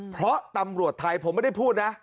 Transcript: เพราะตำรวจไทยผมไม่ได้พูดนะ